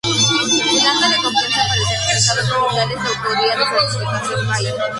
El ancla de confianza para el certificado digital es la "autoridad de certificación raíz".